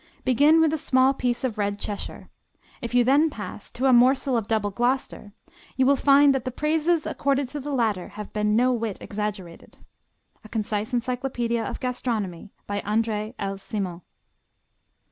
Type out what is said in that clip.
Begin with a small piece of Red Cheshire. If you then pass to a morsel of Double Gloucester, you will find that the praises accorded to the latter have been no whit exaggerated." A Concise Encyclopedia of Gastronomy, by André L. Simon.